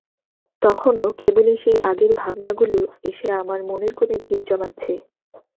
তখনো কেবলই সেই আগের ভাবনাগুলো এসে আমার মনের কোণে ভিড় জমাচ্ছে।